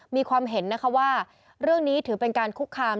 มีความเห็นนะคะว่าเรื่องนี้ถือเป็นการคุกคาม